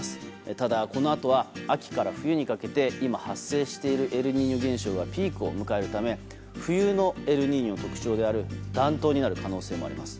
ただ、このあとは秋から冬にかけて今発生しているエルニーニョ現象がピークを迎えるため冬のエルニーニョの特徴である暖冬になる可能性もあります。